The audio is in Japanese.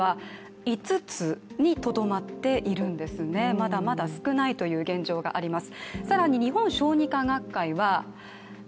まだまだ少ないという現状があります。